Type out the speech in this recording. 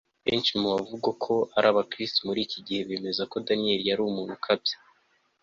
benshi mu bavugwa ko ari abakristo muri iki gihe bemeza ko daniyeli yari umuntu ukabya